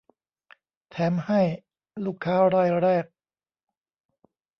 แถมให้ ลูกค้ารายแรก